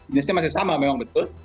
dinasnya masih sama memang betul